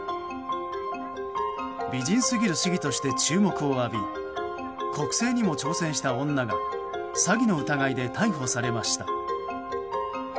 美人すぎる市議として注目を浴び国政にも挑戦した女が詐欺の疑いで逮捕されました。